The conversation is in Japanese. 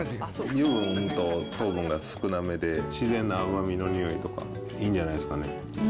油分と糖分が少なめで、自然な甘みの匂いとか、いいんじゃないですかね。